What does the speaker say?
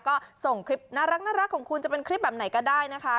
ก็ส่งคลิปน่ารักของคุณจะเป็นคลิปแบบไหนก็ได้นะคะ